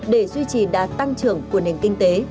để duy trì đa tăng trưởng của nền kinh tế